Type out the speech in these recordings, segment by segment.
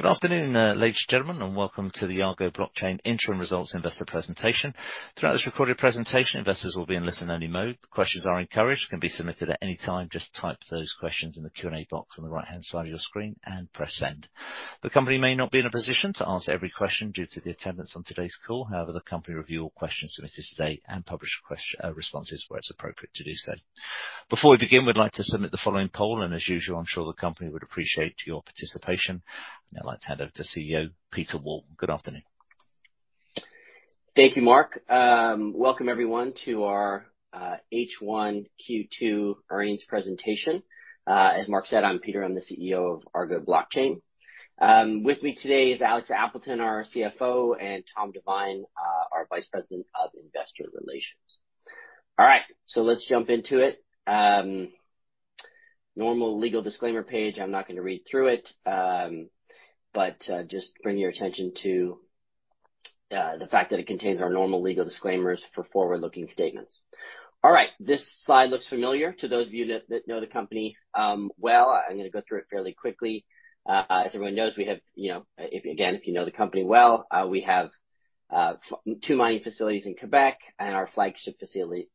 Good afternoon, ladies and gentlemen, and welcome to the Argo Blockchain Interim Results Investor Presentation. Throughout this recorded presentation, investors will be in listen-only mode. Questions are encouraged, can be submitted at any time. Just type those questions in the Q&A box on the right-hand side of your screen and press send. The company may not be in a position to answer every question due to the attendance on today's call. However, the company review all questions submitted today and publish responses where it's appropriate to do so. Before we begin, we'd like to submit the following poll, and as usual, I'm sure the company would appreciate your participation. Now I'd like to hand over to CEO Peter Wall. Good afternoon. Thank you, Mark. Welcome everyone to our H1 Q2 earnings presentation. As Mark said, I'm Peter, I'm the CEO of Argo Blockchain. With me today is Alex Appleton, our CFO, and Tom Devine, our Vice President of Investor Relations. All right, so let's jump into it. Normal legal disclaimer page. I'm not gonna read through it, but just bring your attention to the fact that it contains our normal legal disclaimers for forward-looking statements. All right, this slide looks familiar to those of you that know the company well. I'm gonna go through it fairly quickly. As everyone knows, we have, you know, if, again, if you know the company well, we have 2 mining facilities in Quebec and our flagship facility,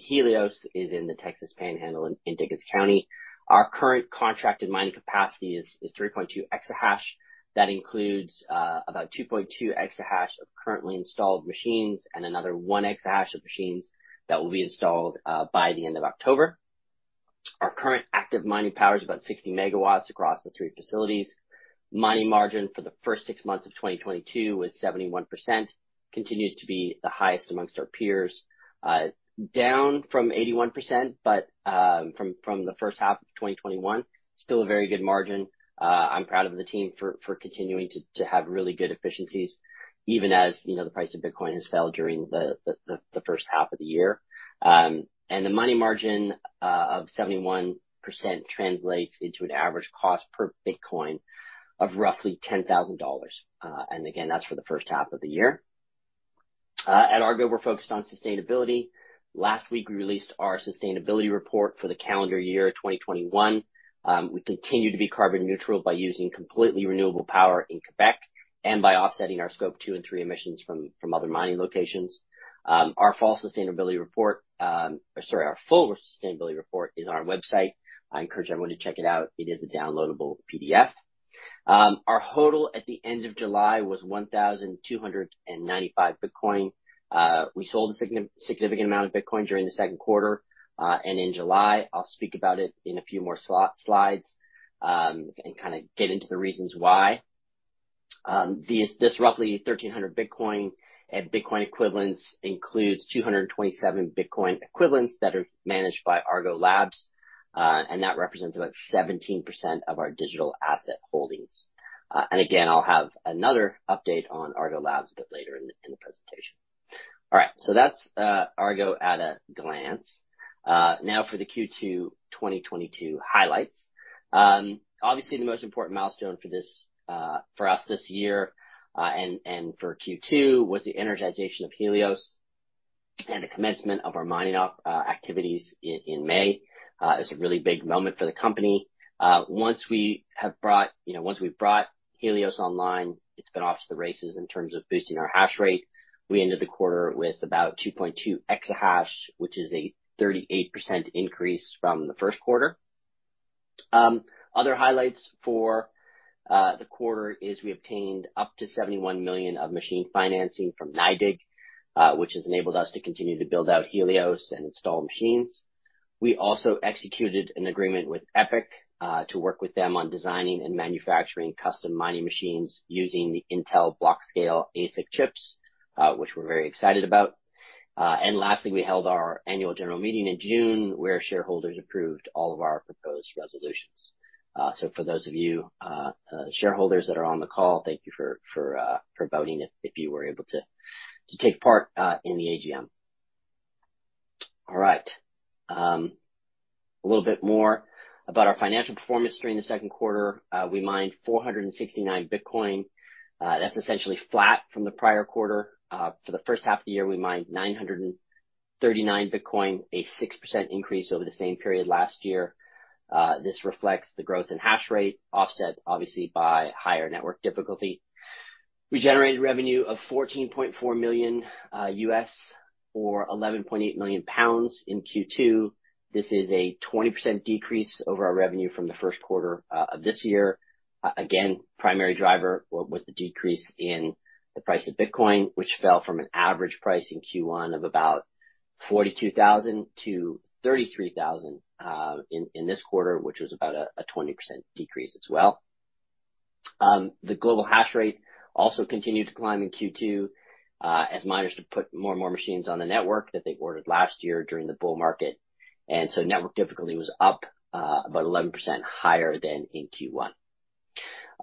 Helios, is in the Texas Panhandle in Dickens County. Our current contracted mining capacity is 3.2 exahash. That includes about 2.2 exahash of currently installed machines and another one exahash of machines that will be installed by the end of October. Our current active mining power is about 60 MW across the three facilities. Mining margin for the first six months of 2022 was 71%. Continues to be the highest amongst our peers. Down from 81%, but from the first half of 2021. Still a very good margin. I'm proud of the team for continuing to have really good efficiencies, even as you know, the price of Bitcoin has fell during the first half of the year. And the mining margin of 71% translates into an average cost per Bitcoin of roughly $10,000. Again, that's for the first half of the year. At Argo, we're focused on sustainability. Last week, we released our sustainability report for the calendar year 2021. We continue to be carbon neutral by using completely renewable power in Quebec and by offsetting our scope two and three emissions from other mining locations. Our full sustainability report is on our website. I encourage everyone to check it out. It is a downloadable PDF. Our total at the end of July was 1,295 Bitcoin. We sold a significant amount of Bitcoin during the Q2 and in July. I'll speak about it in a few more slides and kinda get into the reasons why. This roughly 1,300 Bitcoin at Bitcoin equivalence includes 227 Bitcoin equivalents that are managed by Argo Labs, and that represents about 17% of our digital asset holdings. Again, I'll have another update on Argo Labs a bit later in the presentation. All right, that's Argo at a glance. Now for the Q2 2022 highlights. Obviously, the most important milestone for us this year and for Q2 was the energization of Helios and the commencement of our mining op activities in May. It's a really big moment for the company. Once we've brought Helios online, you know, it's been off to the races in terms of boosting our hash rate. We ended the quarter with about 2.2 exahash, which is a 38% increase from the Q1. Other highlights for the quarter is we obtained up to 71 million of machine financing from NYDIG, which has enabled us to continue to build out Helios and install machines. We also executed an agreement with ePIC to work with them on designing and manufacturing custom mining machines using the Intel Blockscale ASIC chips, which we're very excited about. Lastly, we held our annual general meeting in June, where shareholders approved all of our proposed resolutions. For those of you shareholders that are on the call, thank you for voting if you were able to take part in the AGM. All right, a little bit more about our financial performance during the Q2. We mined 469 Bitcoin. That's essentially flat from the prior quarter. For the first half of the year, we mined 939 Bitcoin, a 6% increase over the same period last year. This reflects the growth in hash rate, offset obviously by higher network difficulty. We generated revenue of $14.4 million or 11.8 million pounds in Q2. This is a 20% decrease over our revenue from the Q1 of this year. Primary driver was the decrease in the price of Bitcoin, which fell from an average price in Q1 of about 42,000 to 33,000 in this quarter, which was about a 20% decrease as well. The global hash rate also continued to climb in Q2, as miners have put more and more machines on the network that they ordered last year during the bull market. Network difficulty was up about 11% higher than in Q1.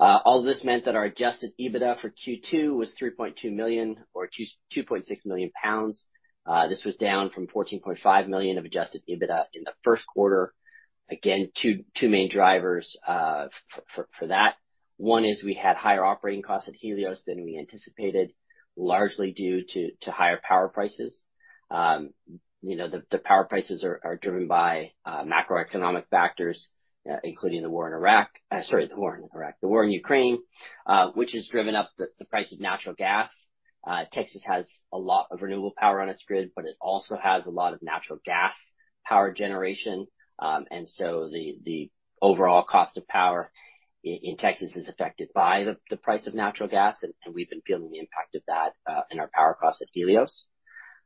All this meant that our adjusted EBITDA for Q2 was $3.2 million or 2.6 million pounds. This was down from $14.5 million of adjusted EBITDA in the Q1. Again, two main drivers for that. One is we had higher operating costs at Helios than we anticipated, largely due to higher power prices. You know, the power prices are driven by macroeconomic factors, including the war in Ukraine. The war in Ukraine, which has driven up the price of natural gas. Texas has a lot of renewable power on its grid, but it also has a lot of natural gas power generation. The overall cost of power in Texas is affected by the price of natural gas, and we've been feeling the impact of that in our power costs at Helios.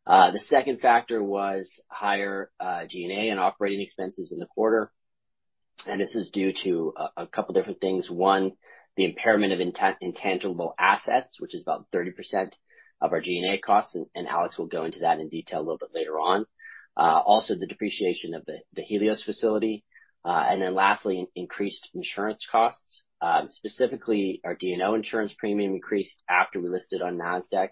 The second factor was higher G&A and operating expenses in the quarter, and this is due to a couple different things. One, the impairment of intangible assets, which is about 30% of our G&A costs, and Alex will go into that in detail a little bit later on. Also the depreciation of the Helios facility. Lastly, increased insurance costs. Specifically our D&O insurance premium increased after we listed on Nasdaq.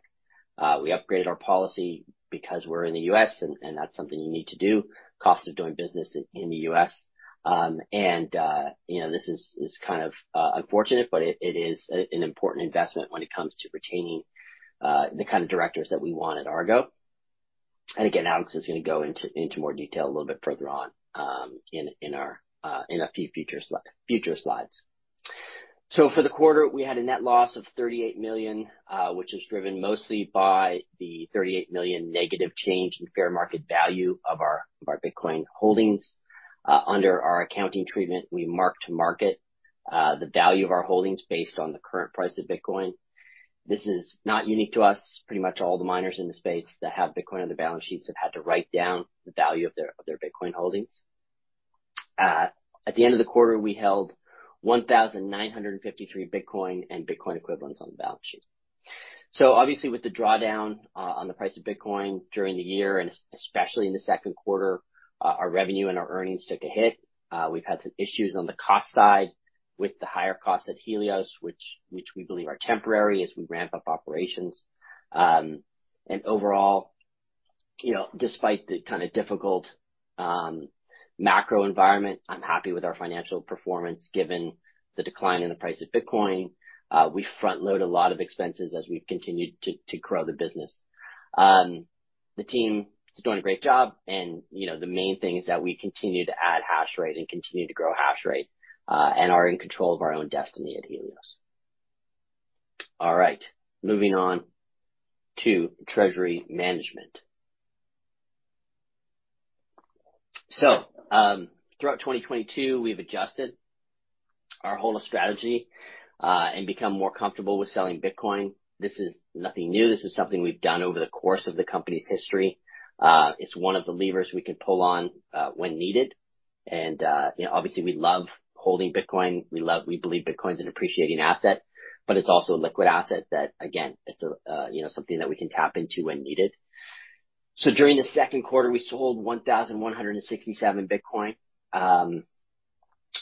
We upgraded our policy because we're in the U.S., and that's something you need to do, cost of doing business in the U.S. You know, this is kind of unfortunate, but it is an important investment when it comes to retaining the kind of directors that we want at Argo. Again, Alex is gonna go into more detail a little bit further on in a few future slides. For the quarter, we had a net loss of 38 million, which is driven mostly by the 38 million negative change in fair market value of our Bitcoin holdings. Under our accounting treatment, we mark-to-market the value of our holdings based on the current price of Bitcoin. This is not unique to us. Pretty much all the miners in the space that have Bitcoin on their balance sheets have had to write down the value of their Bitcoin holdings. At the end of the quarter, we held 1,953 Bitcoin and Bitcoin equivalents on the balance sheet. Obviously, with the drawdown on the price of Bitcoin during the year, and especially in the Q2, our revenue and our earnings took a hit. We've had some issues on the cost side with the higher costs at Helios, which we believe are temporary as we ramp up operations. Overall, you know, despite the kind of difficult macro environment, I'm happy with our financial performance given the decline in the price of Bitcoin. We front-load a lot of expenses as we've continued to grow the business. The team is doing a great job and, you know, the main thing is that we continue to add hash rate and continue to grow hash rate, and are in control of our own destiny at Helios. All right, moving on to treasury management. Throughout 2022, we've adjusted our hold strategy, and become more comfortable with selling Bitcoin. This is nothing new. This is something we've done over the course of the company's history. It's one of the levers we can pull on, when needed. You know, obviously, we love holding Bitcoin. We believe Bitcoin is an appreciating asset, but it's also a liquid asset that, again, something that we can tap into when needed. During the Q2, we sold 1,167 Bitcoin.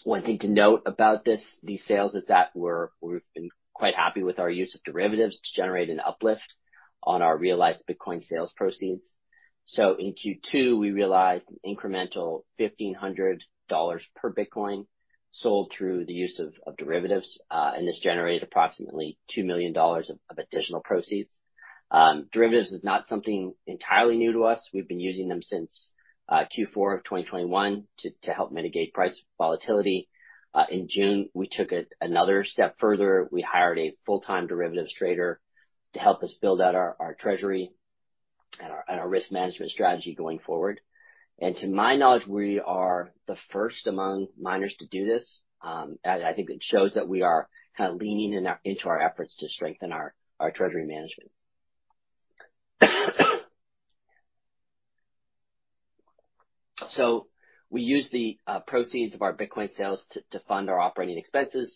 One thing to note about this, these sales is that we've been quite happy with our use of derivatives to generate an uplift on our realized Bitcoin sales proceeds. In Q2, we realized an incremental $1,500 per Bitcoin sold through the use of derivatives. This generated approximately $2 million of additional proceeds. Derivatives is not something entirely new to us. We've been using them since Q4 of 2021 to help mitigate price volatility. In June, we took it another step further. We hired a full-time derivatives trader to help us build out our treasury and our risk management strategy going forward. To my knowledge, we are the first among miners to do this. I think it shows that we are kind of leaning into our efforts to strengthen our treasury management. We use the proceeds of our Bitcoin sales to fund our operating expenses,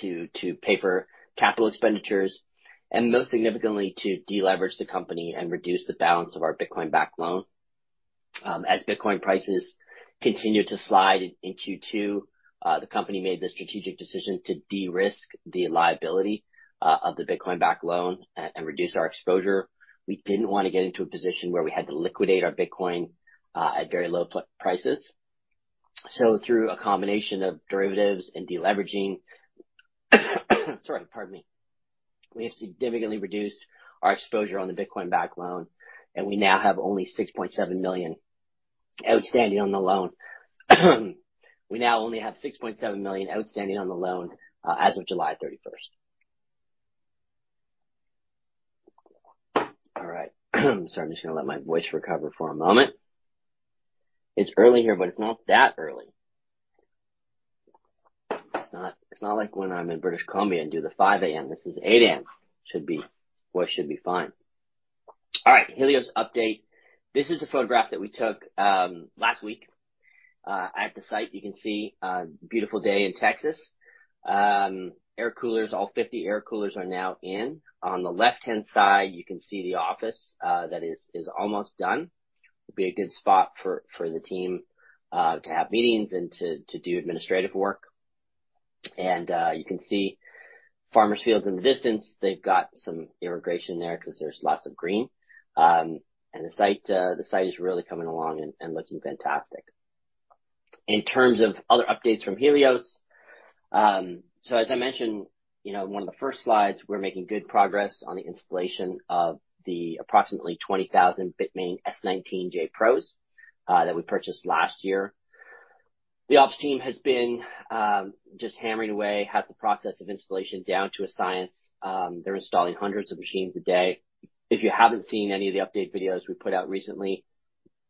to pay for capital expenditures, and most significantly, to deleverage the company and reduce the balance of our Bitcoin-backed loan. As Bitcoin prices continued to slide in Q2, the company made the strategic decision to de-risk the liability of the Bitcoin-backed loan and reduce our exposure. We didn't want to get into a position where we had to liquidate our Bitcoin at very low prices. Through a combination of derivatives and deleveraging, we have significantly reduced our exposure on the Bitcoin-backed loan, and we now have only 6.7 million outstanding on the loan. We now only have 6.7 million outstanding on the loan as of July 31. All right. Sorry, I'm just gonna let my voice recover for a moment. It's early here, but it's not that early. It's not like when I'm in British Columbia and do the 5:00 A.M. This is 8:00 A.M. Should be. Voice should be fine. All right. Helios update. This is a photograph that we took last week at the site. You can see a beautiful day in Texas. Air coolers, all 50 air coolers are now in. On the left-hand side, you can see the office that is almost done. It'll be a good spot for the team to have meetings and to do administrative work. You can see farmers' fields in the distance. They've got some irrigation there 'cause there's lots of green. The site is really coming along and looking fantastic. In terms of other updates from Helios. As I mentioned, you know, in one of the first slides, we're making good progress on the installation of the approximately 20,000 Bitmain S19 J Pros that we purchased last year. The ops team has been just hammering away, has the process of installation down to a science. They're installing hundreds of machines a day. If you haven't seen any of the update videos we put out recently,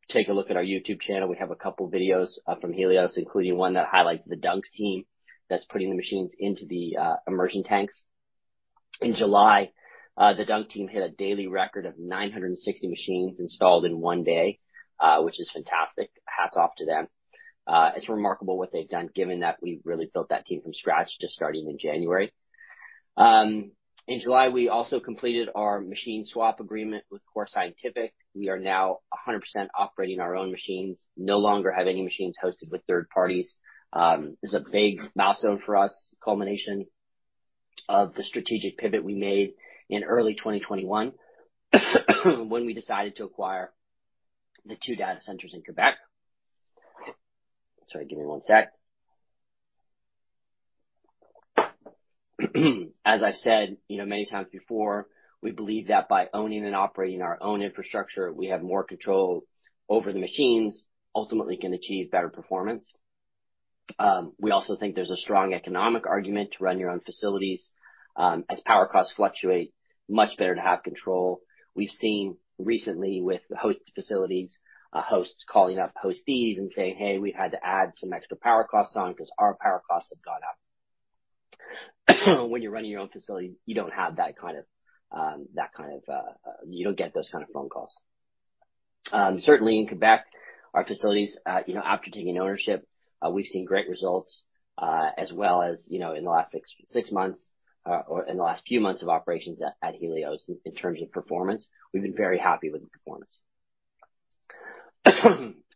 take a look at our YouTube channel. We have a couple videos from Helios, including one that highlights the dunk team that's putting the machines into the immersion tanks. In July, the dunk team hit a daily record of 960 machines installed in one day, which is fantastic. Hats off to them. It's remarkable what they've done given that we really built that team from scratch just starting in January. In July, we also completed our machine swap agreement with Core Scientific. We are now 100% operating our own machines, no longer have any machines hosted with third parties. This is a big milestone for us, culmination of the strategic pivot we made in early 2021 when we decided to acquire the two data centers in Quebec. Sorry, give me one sec. As I've said, you know, many times before, we believe that by owning and operating our own infrastructure, we have more control over the machines, ultimately can achieve better performance. We also think there's a strong economic argument to run your own facilities. As power costs fluctuate, much better to have control. We've seen recently with the host facilities, hosts calling up hostees and saying, "Hey, we had to add some extra power costs on 'cause our power costs have gone up." When you're running your own facility, you don't have that kind of, you don't get those kind of phone calls. Certainly in Quebec, our facilities, you know, after taking ownership, we've seen great results, as well as, you know, in the last six months, or in the last few months of operations at Helios in terms of performance. We've been very happy with the performance.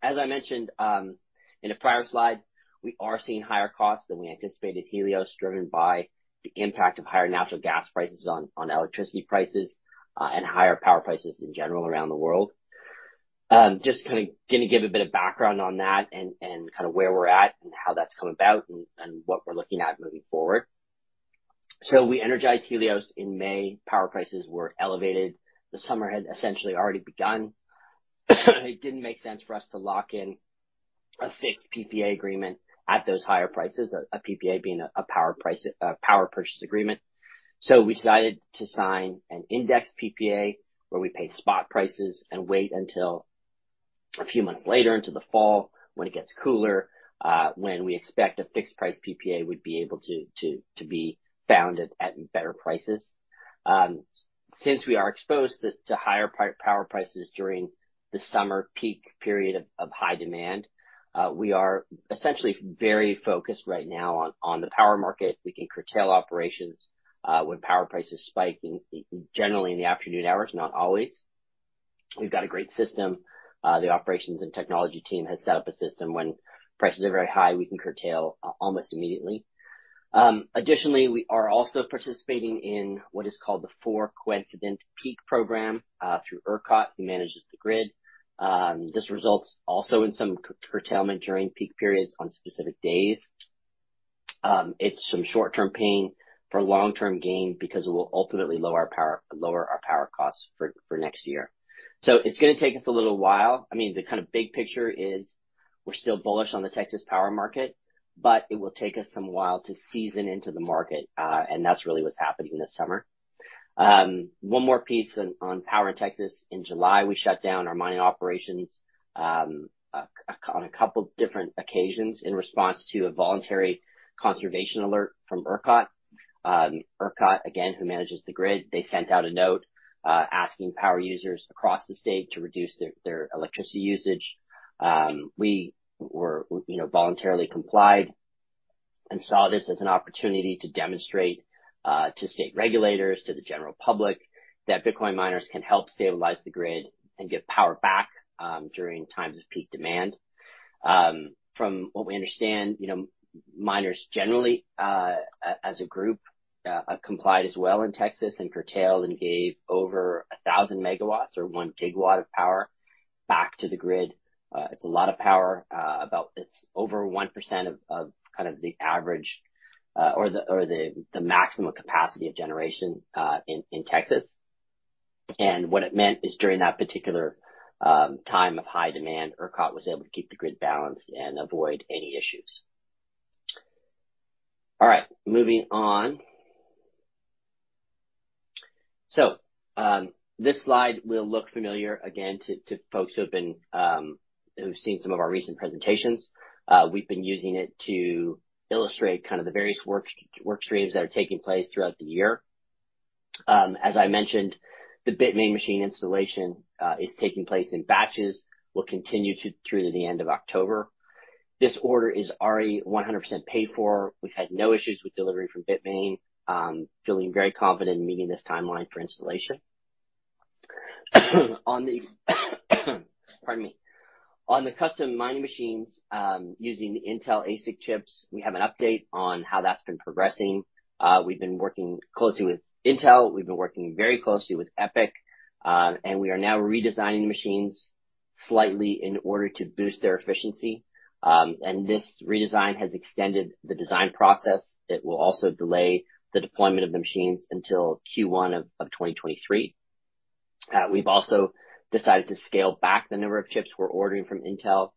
As I mentioned, in a prior slide, we are seeing higher costs than we anticipated at Helios, driven by the impact of higher natural gas prices on electricity prices, and higher power prices in general around the world. Just kinda gonna give a bit of background on that and kinda where we're at and how that's come about and what we're looking at moving forward. We energized Helios in May. Power prices were elevated. The summer had essentially already begun. It didn't make sense for us to lock in a fixed PPA agreement at those higher prices, a PPA being a power purchase agreement. We decided to sign an index PPA where we pay spot prices and wait until a few months later into the fall when it gets cooler, when we expect a fixed price PPA would be able to be found at better prices. Since we are exposed to higher power prices during the summer peak period of high demand, we are essentially very focused right now on the power market. We can curtail operations when power prices spike, generally in the afternoon hours, not always. We've got a great system. The operations and technology team has set up a system when prices are very high, we can curtail almost immediately. Additionally, we are also participating in what is called the Four Coincident Peak program through ERCOT, who manages the grid. This results also in some curtailment during peak periods on specific days. It's some short-term pain for long-term gain because it will ultimately lower our power costs for next year. It's gonna take us a little while. I mean, the kinda big picture is we're still bullish on the Texas power market, but it will take us some while to season into the market, and that's really what's happening this summer. One more piece on power in Texas. In July, we shut down our mining operations on a couple different occasions in response to a voluntary conservation alert from ERCOT. ERCOT, again, who manages the grid, they sent out a note asking power users across the state to reduce their electricity usage. We, you know, voluntarily complied and saw this as an opportunity to demonstrate to state regulators, to the general public, that Bitcoin miners can help stabilize the grid and give power back during times of peak demand. From what we understand, you know, miners generally as a group complied as well in Texas and curtailed and gave over 1,000 megawatts or 1 gigawatt of power back to the grid. It's a lot of power, about. It's over 1% of kind of the average or the maximum capacity of generation in Texas. What it meant is during that particular time of high demand, ERCOT was able to keep the grid balanced and avoid any issues. All right, moving on. This slide will look familiar again to folks who have been who've seen some of our recent presentations. We've been using it to illustrate kind of the various work streams that are taking place throughout the year. As I mentioned, the Bitmain machine installation is taking place in batches, will continue through the end of October. This order is already 100% paid for. We've had no issues with delivery from Bitmain. Feeling very confident in meeting this timeline for installation. Pardon me. On the custom mining machines using Intel ASIC chips, we have an update on how that's been progressing. We've been working closely with Intel. We've been working very closely with ePIC, and we are now redesigning the machines slightly in order to boost their efficiency. This redesign has extended the design process. It will also delay the deployment of the machines until Q1 of 2023. We've also decided to scale back the number of chips we're ordering from Intel,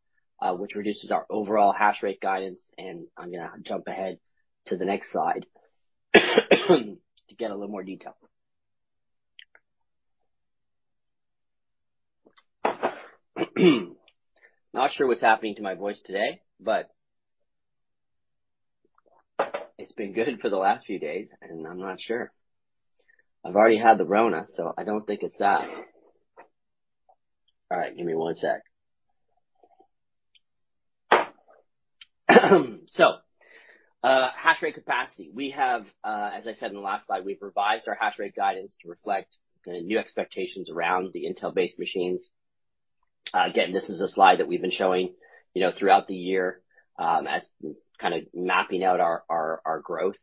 which reduces our overall hash rate guidance. I'm gonna jump ahead to the next slide to get a little more detail. Not sure what's happening to my voice today, but it's been good for the last few days, and I'm not sure. I've already had the 'rona, so I don't think it's that. All right, give me one sec. Hash rate capacity. We have, as I said in the last slide, we've revised our hash rate guidance to reflect the new expectations around the Intel-based machines. Again, this is a slide that we've been showing, you know, throughout the year, as kind of mapping out our growth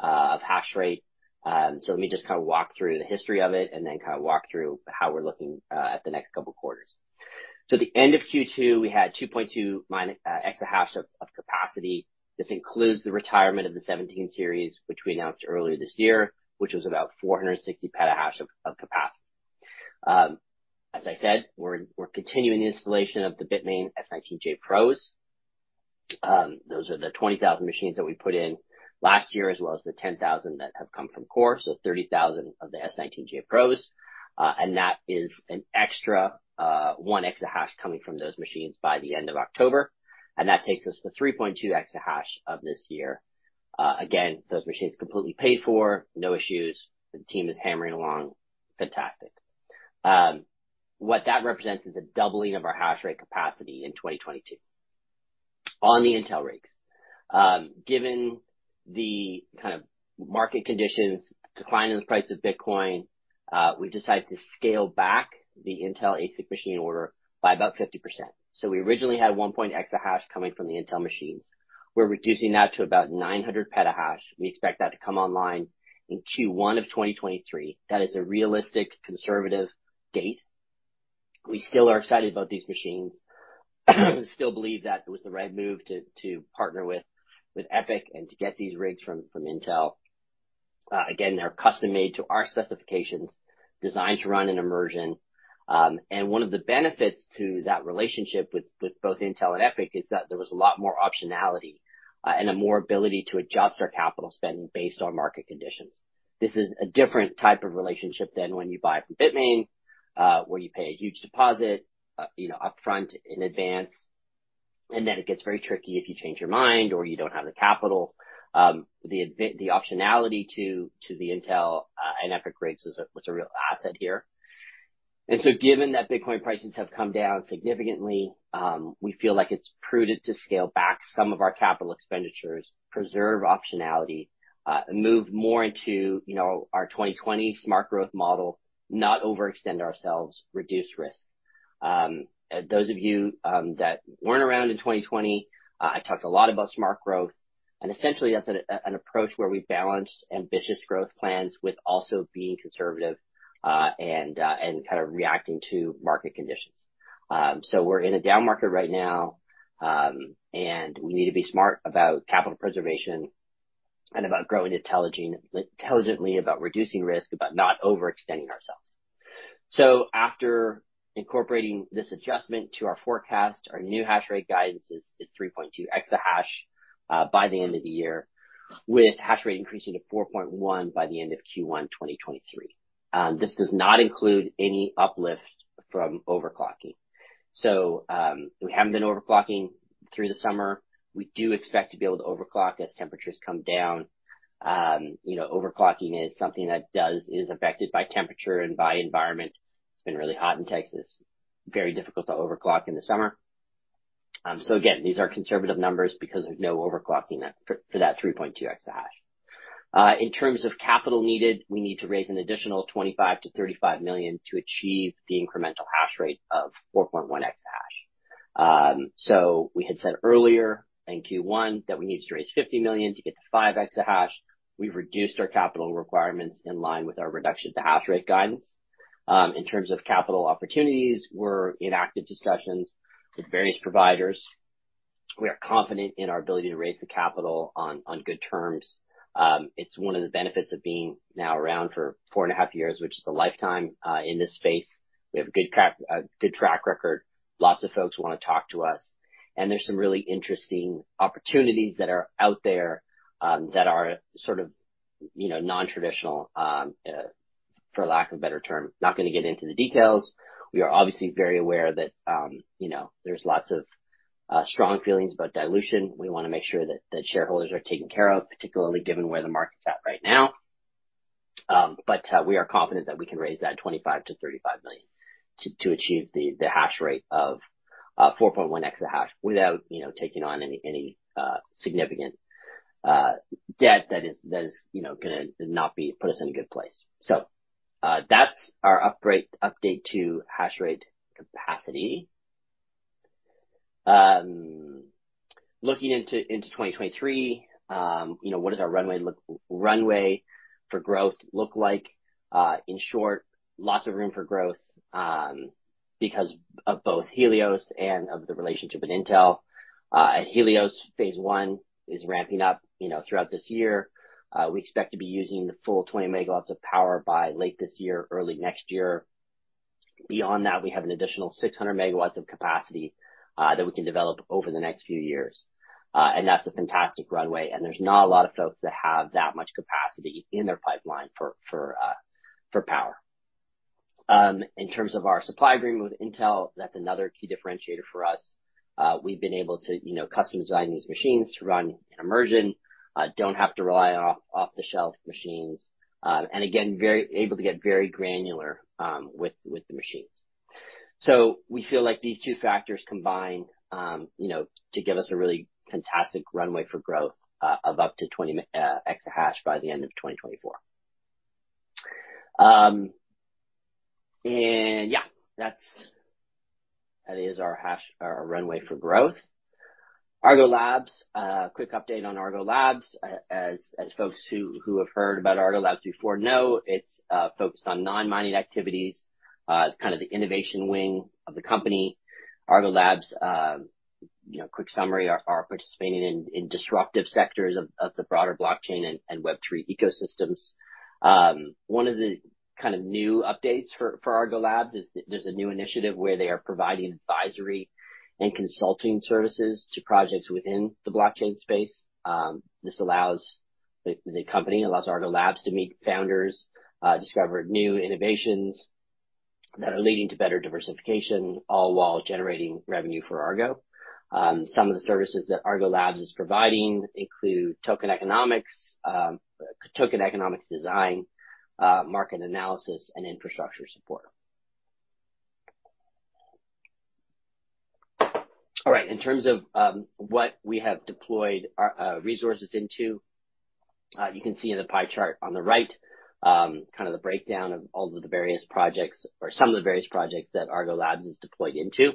of hash rate. Let me just kind of walk through the history of it and then kind of walk through how we're looking at the next couple of quarters. The end of Q2, we had 2.2 EH of capacity. This includes the retirement of the 17 series, which we announced earlier this year, which was about 460 petahash of capacity. As I said, we're continuing installation of the Bitmain S19j Pros. Those are the 20,000 machines that we put in last year, as well as the 10,000 that have come from Core Scientific. Thirty thousand of the S19 J Pros, and that is an extra 1 exahash coming from those machines by the end of October. That takes us to 3.2 exahash of this year. Again, those machines completely paid for, no issues. The team is hammering along. Fantastic. What that represents is a doubling of our hash rate capacity in 2022 on the Intel rigs. Given the kind of market conditions, decline in the price of Bitcoin, we've decided to scale back the Intel ASIC machine order by about 50%. We originally had 1 exahash coming from the Intel machines. We're reducing that to about 900 petahash. We expect that to come online in Q1 of 2023. That is a realistic conservative date. We still are excited about these machines and still believe that it was the right move to partner with ePIC and to get these rigs from Intel. Again, they're custom-made to our specifications, designed to run an immersion. One of the benefits to that relationship with both Intel and ePIC is that there was a lot more optionality and a more ability to adjust our capital spending based on market conditions. This is a different type of relationship than when you buy from Bitmain, where you pay a huge deposit, you know, upfront in advance, and then it gets very tricky if you change your mind or you don't have the capital. The optionality to the Intel and EPYC rates was a real asset here. Given that Bitcoin prices have come down significantly, we feel like it's prudent to scale back some of our capital expenditures, preserve optionality, move more into, you know, our 2020 smart growth model, not overextend ourselves, reduce risk. Those of you that weren't around in 2020, I talked a lot about smart growth, and essentially that's an approach where we balance ambitious growth plans with also being conservative, and kind of reacting to market conditions. We're in a down market right now, and we need to be smart about capital preservation and about growing intelligently, about reducing risk, about not overextending ourselves. After incorporating this adjustment to our forecast, our new hash rate guidance is 3.2 exahash by the end of the year, with hash rate increasing to 4.1 by the end of Q1 2023. This does not include any uplift from overclocking. We haven't been overclocking through the summer. We do expect to be able to overclock as temperatures come down. You know, overclocking is something that is affected by temperature and by environment. It's been really hot in Texas, very difficult to overclock in the summer. Again, these are conservative numbers because of no overclocking for that 3.2 exahash. In terms of capital needed, we need to raise an additional 25 million-35 million to achieve the incremental hash rate of 4.1 exahash. We had said earlier in Q1 that we needed to raise 50 million to get to 5 exahash. We've reduced our capital requirements in line with our reduction to hash rate guidance. In terms of capital opportunities, we're in active discussions with various providers. We are confident in our ability to raise the capital on good terms. It's one of the benefits of being now around for 4.5 years, which is a lifetime in this space. We have a good track record. Lots of folks wanna talk to us, and there's some really interesting opportunities that are out there that are sort of, you know, non-traditional for lack of a better term. Not gonna get into the details. We are obviously very aware that you know there's lots of strong feelings about dilution. We wanna make sure that shareholders are taken care of, particularly given where the market's at right now. We are confident that we can raise that 25 million-35 million to achieve the hash rate of 4.1 exahash without you know taking on any significant debt that is you know gonna put us in a good place. That's our update to hash rate capacity. Looking into 2023, you know, what does our runway for growth look like? In short, lots of room for growth. Because of both Helios and the relationship with Intel. At Helios, phase one is ramping up, you know, throughout this year. We expect to be using the full 20 MW of power by late this year, early next year. Beyond that, we have an additional 600 MW of capacity that we can develop over the next few years. That's a fantastic runway, and there's not a lot of folks that have that much capacity in their pipeline for power. In terms of our supply agreement with Intel, that's another key differentiator for us. We've been able to, you know, custom design these machines to run in immersion, don't have to rely on off-the-shelf machines. Again, very able to get very granular, with the machines. We feel like these two factors combine, you know, to give us a really fantastic runway for growth, of up to 20 exahash by the end of 2024. That's our hashrate, our runway for growth. Argo Labs. Quick update on Argo Labs. As folks who have heard about Argo Labs before know, it's focused on non-mining activities, kind of the innovation wing of the company. Argo Labs, quick summary, are participating in disruptive sectors of the broader blockchain and Web3 ecosystems. One of the kind of new updates for Argo Labs is there's a new initiative where they are providing advisory and consulting services to projects within the blockchain space. This allows Argo Labs to meet founders, discover new innovations that are leading to better diversification, all while generating revenue for Argo. Some of the services that Argo Labs is providing include token economics, token economics design, market analysis, and infrastructure support. In terms of what we have deployed our resources into, you can see in the pie chart on the right, kind of the breakdown of all of the various projects or some of the various projects that Argo Labs is deployed into.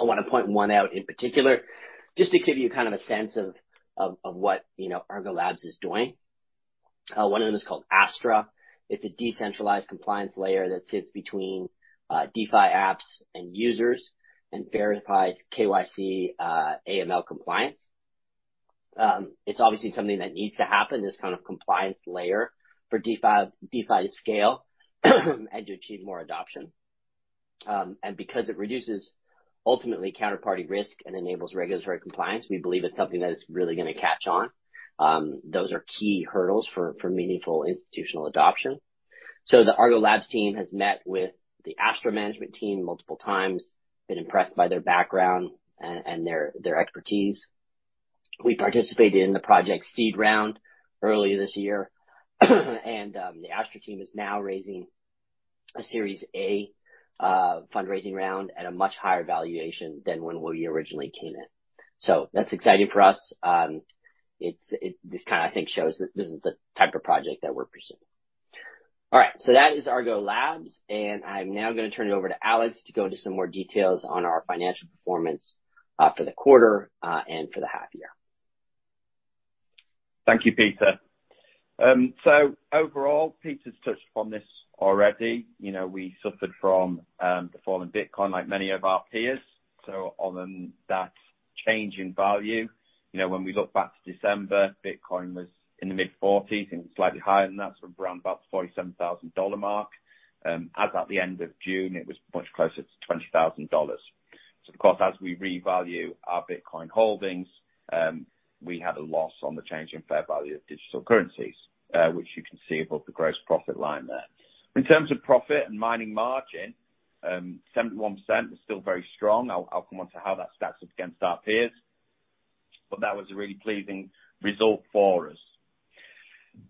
I wanna point one out in particular, just to give you kind of a sense of what, you know, Argo Labs is doing. One of them is called Astra. It's a decentralized compliance layer that sits between DeFi apps and users and verifies KYC, AML compliance. It's obviously something that needs to happen, this kind of compliance layer, for DeFi to scale and to achieve more adoption. Because it reduces ultimately counterparty risk and enables regulatory compliance, we believe it's something that is really gonna catch on. Those are key hurdles for meaningful institutional adoption. The Argo Labs team has met with the Astra management team multiple times, been impressed by their background and their expertise. We participated in the project seed round earlier this year, and the Astra team is now raising a Series A fundraising round at a much higher valuation than when we originally came in. That's exciting for us. This kinda I think shows that this is the type of project that we're pursuing. All right, that is Argo Labs, and I'm now gonna turn it over to Alex to go into some more details on our financial performance for the quarter and for the half year. Thank you, Peter. Overall, Peter's touched upon this already. You know, we suffered from the fall in Bitcoin like many of our peers. Other than that change in value. You know, when we look back to December, Bitcoin was in the mid-40s and slightly higher than that, around about the $47,000 mark. As at the end of June, it was much closer to $20,000. Of course, as we revalue our Bitcoin holdings, we had a loss on the change in fair value of digital currencies, which you can see above the gross profit line there. In terms of profit and mining margin, 71% is still very strong. I'll come on to how that stacks up against our peers, but that was a really pleasing result for us.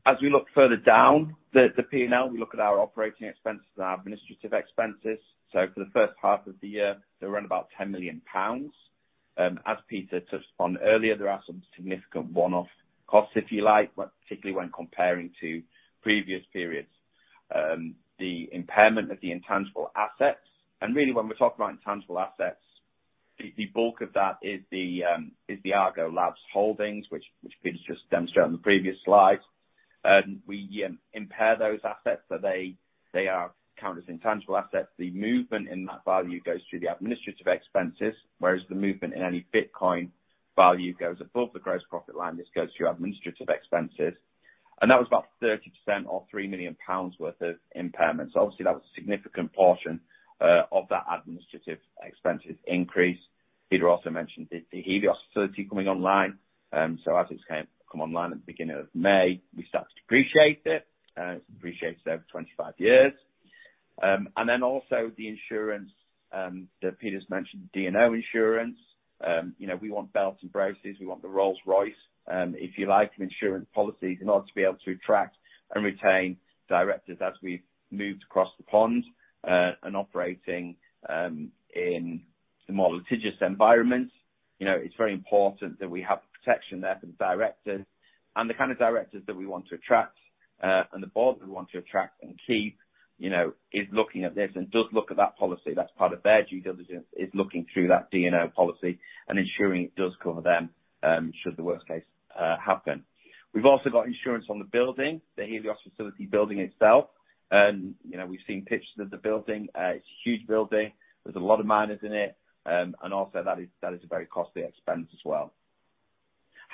As we look further down the P&L, we look at our operating expenses and our administrative expenses. For the first half of the year, they were around about 10 million pounds. As Peter touched upon earlier, there are some significant one-off costs, if you like, but particularly when comparing to previous periods. The impairment of the intangible assets, and really when we're talking about intangible assets, the bulk of that is the Argo Labs holdings, which Peter's just demonstrated on the previous slide. We impair those assets, so they are counted as intangible assets. The movement in that value goes through the administrative expenses, whereas the movement in any Bitcoin value goes above the gross profit line, this goes to your administrative expenses. That was about 30% or 3 million pounds worth of impairment. Obviously that was a significant portion of that administrative expenses increase. Peter also mentioned the Helios facility coming online. As it's come online at the beginning of May, we start to depreciate it, and it's depreciated over 25 years. Then also the insurance that Peter's mentioned, D&O insurance. You know, we want belts and braces. We want the Rolls-Royce, if you like, in insurance policies in order to be able to attract and retain directors as we've moved across the pond, and operating in a more litigious environment. You know, it's very important that we have the protection there for the directors. The kind of directors that we want to attract, and the board that we want to attract and keep, you know, is looking at this and does look at that policy. That's part of their due diligence, is looking through that D&O policy and ensuring it does cover them, should the worst case happen. We've also got insurance on the building, the Helios facility building itself. You know, we've seen pictures of the building. It's a huge building. There's a lot of miners in it, and also that is a very costly expense as well.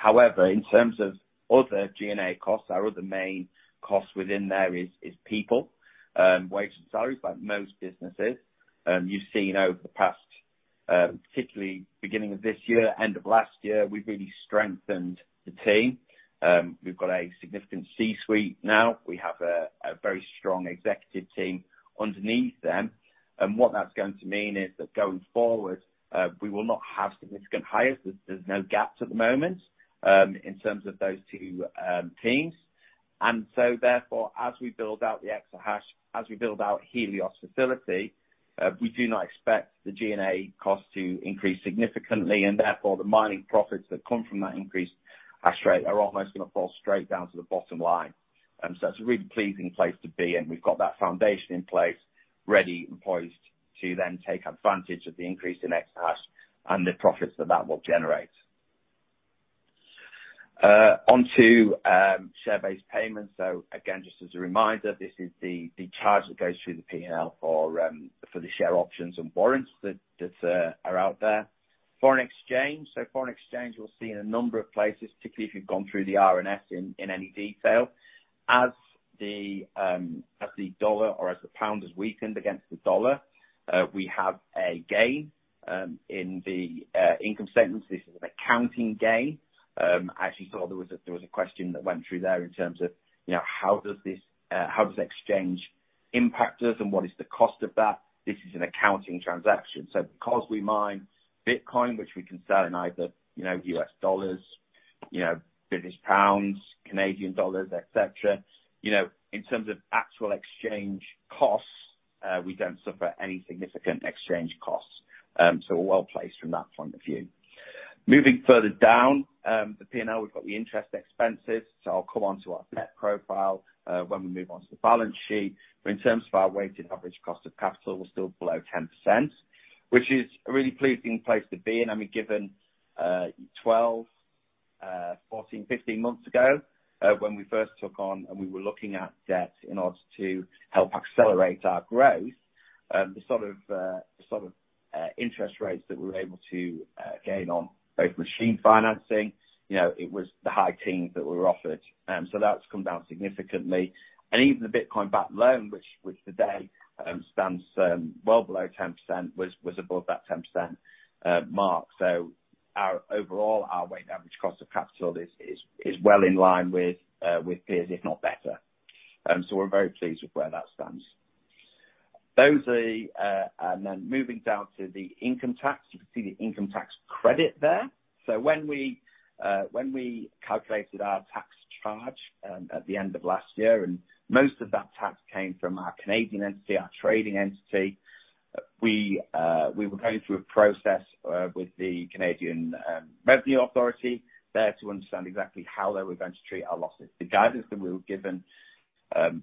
However, in terms of other G&A costs, our other main cost within there is people, wages and salaries like most businesses. You've seen over the past, particularly beginning of this year, end of last year, we've really strengthened the team. We've got a significant C-suite now. We have a very strong executive team underneath them. What that's going to mean is that going forward, we will not have significant hires. There's no gaps at the moment in terms of those two teams. As we build out the exahash, as we build out Helios facility, we do not expect the G&A cost to increase significantly and therefore the mining profits that come from that increase hash rate are almost gonna fall straight down to the bottom line. It's a really pleasing place to be, and we've got that foundation in place, ready and poised to then take advantage of the increase in exahash and the profits that that will generate. Onto share-based payments. Again, just as a reminder, this is the charge that goes through the P&L for the share options and warrants that are out there. Foreign exchange. Foreign exchange, you'll see in a number of places, particularly if you've gone through the RNS in any detail. As the dollar or as the pound has weakened against the dollar, we have a gain in the income statement. This is an accounting gain. I actually saw there was a question that went through there in terms of, you know, how does this exchange impact us, and what is the cost of that? This is an accounting transaction. Because we mine Bitcoin, which we can sell in either, you know, US dollars, you know, British pounds, Canadian dollars, et cetera, you know, in terms of actual exchange costs, we don't suffer any significant exchange costs. We're well placed from that point of view. Moving further down, the P&L, we've got the interest expenses, so I'll come onto our net profit, when we move on to the balance sheet. In terms of our weighted average cost of capital, we're still below 10%, which is a really pleasing place to be. I mean, given 12, 14, 15 months ago, when we first took on and we were looking at debt in order to help accelerate our growth, the sort of interest rates that we were able to gain on both machine financing, you know, it was the high teens that were offered. That's come down significantly. Even the Bitcoin-backed loan, which today stands well below 10% was above that 10% mark. Our overall weighted average cost of capital is well in line with peers, if not better. We're very pleased with where that stands. Moving down to the income tax, you can see the income tax credit there. When we calculated our tax charge at the end of last year, and most of that tax came from our Canadian entity, our trading entity, we were going through a process with the Canada Revenue Agency there to understand exactly how they were going to treat our losses. The guidance that we were given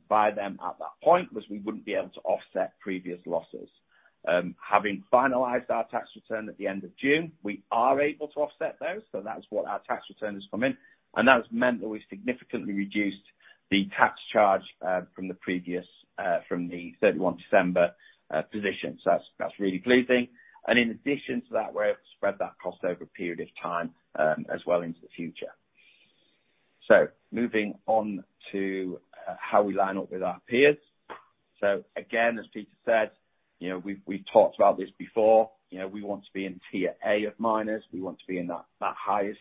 by them at that point was we wouldn't be able to offset previous losses. Having finalized our tax return at the end of June, we are able to offset those. That's what our tax return has come in, and that has meant that we significantly reduced the tax charge from the 31 December position. That's really pleasing. In addition to that, we're able to spread that cost over a period of time as well into the future. Moving on to how we line up with our peers. Again, as Peter said, you know, we've talked about this before. You know, we want to be in tier A of miners. We want to be in that highest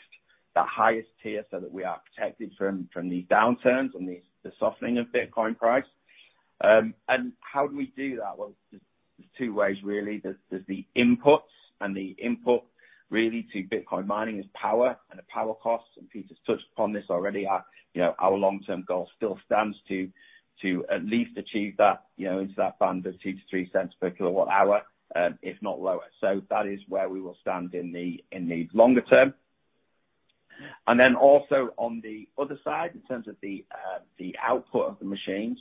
tier so that we are protected from the downturns and the softening of Bitcoin price. And how do we do that? Well, there's two ways really. There's the inputs and the input really to Bitcoin mining is power and the power costs, and Peter's touched upon this already. Our you know our long-term goal still stands to at least achieve that you know into that band of 2-3 cents per kilowatt-hour if not lower. That is where we will stand in the longer term. also on the other side in terms of the output of the machines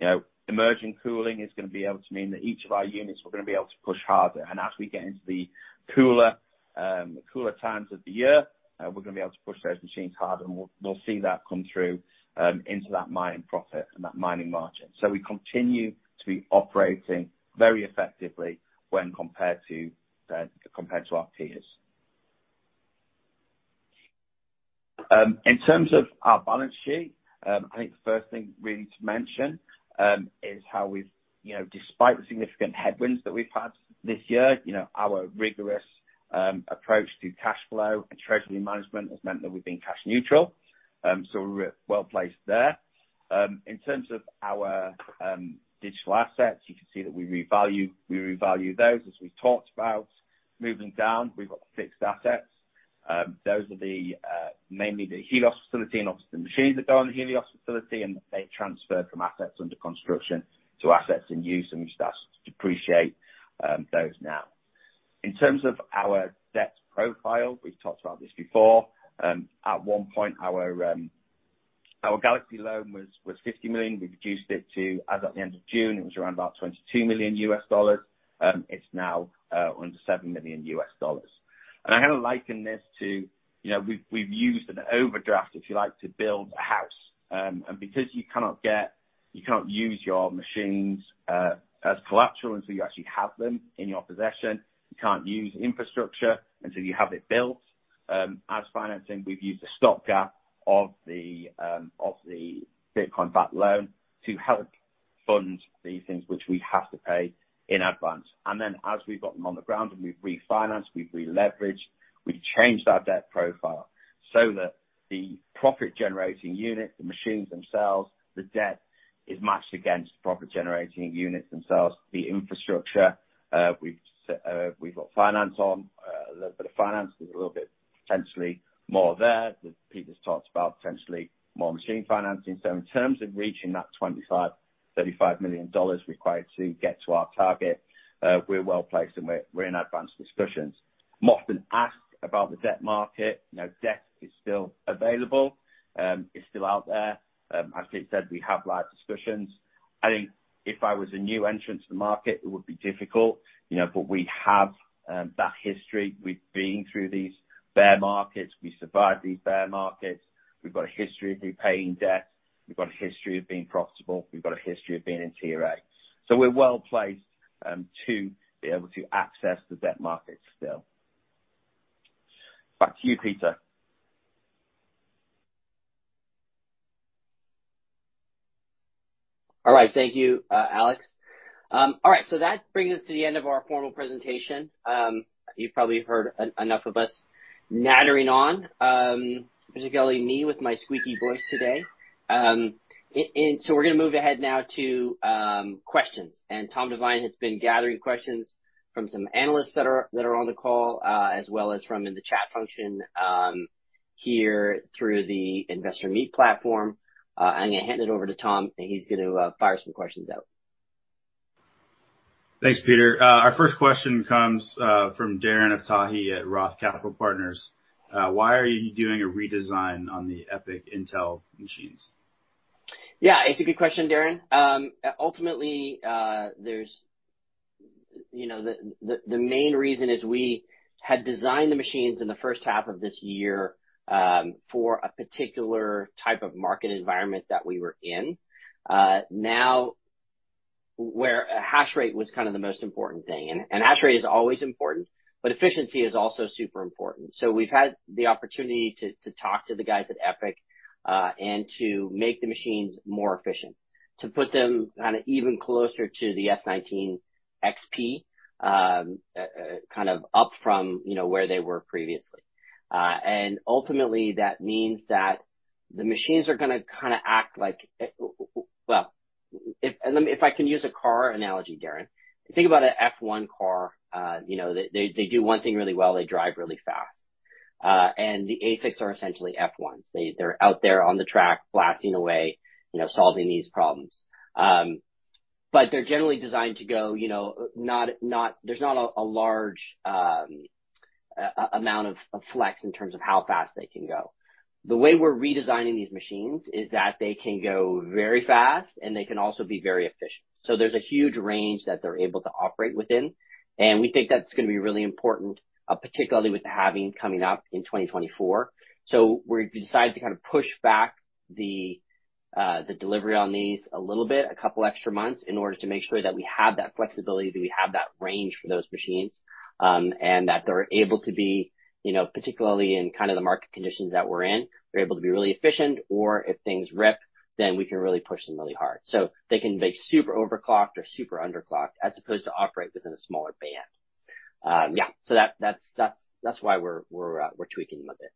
you know immersion cooling is gonna be able to mean that each of our units are gonna be able to push harder. As we get into the cooler times of the year we're gonna be able to push those machines harder and we'll see that come through into that mining profit and that mining margin. We continue to be operating very effectively when compared to our peers. In terms of our balance sheet, I think the first thing really to mention is how we've, you know, despite the significant headwinds that we've had this year, you know, our rigorous approach to cash flow and treasury management has meant that we've been cash neutral. We're well placed there. In terms of our digital assets, you can see that we revalue those as we talked about. Moving down, we've got the fixed assets. Those are mainly the Helios facility and obviously the machines that go on the Helios facility and they transfer from assets under construction to assets in use and we start to depreciate those now. In terms of our debt profile, we've talked about this before, at one point our Galaxy Digital loan was $50 million. We've reduced it to, as at the end of June, it was around about $22 million. It's now under $7 million. I kind of liken this to, you know, we've used an overdraft, if you like, to build a house. Because you cannot use your machines as collateral until you actually have them in your possession, you can't use infrastructure until you have it built. As financing, we've used a stopgap of the Bitcoin-backed loan to help fund these things which we have to pay in advance. As we've got them on the ground and we've refinanced, we've releveraged, we've changed our debt profile so that the profit-generating unit, the machines themselves, the debt is matched against the profit-generating units themselves. The infrastructure, we've set, we've got finance on. A little bit of finance. There's a little bit potentially more there that Peter's talked about, potentially more machine financing. In terms of reaching that $25-$35 million required to get to our target, we're well-placed, and we're in advanced discussions. I'm often asked about the debt market. You know, debt is still available, it's still out there. As Peter said, we have live discussions. I think if I was a new entrant to the market, it would be difficult, you know, but we have that history. We've been through these bear markets. We survived these bear markets. We've got a history of repaying debt. We've got a history of being profitable. We've got a history of being in Tier A. We're well-placed to be able to access the debt market still. Back to you, Peter. All right. Thank you, Alex. All right. So that brings us to the end of our formal presentation. You've probably heard enough of us nattering on, particularly me with my squeaky voice today. We're gonna move ahead now to questions. Tom Devine has been gathering questions from some analysts that are on the call, as well as from the chat function here through the Investor Meet platform. I'm gonna hand it over to Tom, and he's gonna fire some questions out. Thanks, Peter. Our first question comes from Darren Aftahi at Roth Capital Partners. Why are you doing a redesign on the ePIC Intel machines? Yeah, it's a good question, Darren. Ultimately, you know, the main reason is we had designed the machines in the first half of this year for a particular type of market environment that we were in. Now, where a hash rate was kind of the most important thing. Hash rate is always important, but efficiency is also super important. We've had the opportunity to talk to the guys at ePIC and to make the machines more efficient, to put them kinda even closer to the S19 XP, kind of up from, you know, where they were previously. Ultimately, that means that the machines are gonna kinda act like, well, if I can use a car analogy, Darren. Think about a F1 car. You know, they do one thing really well. They drive really fast. The ASICs are essentially F1s. They're out there on the track blasting away, you know, solving these problems. They're generally designed to go, you know, there's not a large amount of flex in terms of how fast they can go. The way we're redesigning these machines is that they can go very fast, and they can also be very efficient. There's a huge range that they're able to operate within, and we think that's gonna be really important, particularly with the halving coming up in 2024. We've decided to kind of push back the delivery on these a little bit, a couple extra months, in order to make sure that we have that flexibility, that we have that range for those machines, and that they're able to be, you know, particularly in kind of the market conditions that we're in, we're able to be really efficient, or if things rip, then we can really push them really hard. They can be super overclocked or super underclocked, as opposed to operate within a smaller band. That's why we're tweaking them a bit.